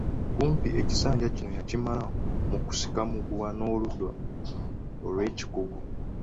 Kumpi ekisanja kyonna yakimala mu kusika muguwa n’oludda lw’ekikugu.